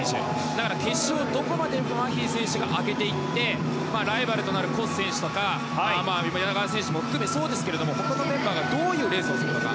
だから決勝でどこまでマーフィー選手が上げていってライバルとなるコーシュ選手とか柳川選手も含め、そうですけど他のメンバーがどういうレースをするのか。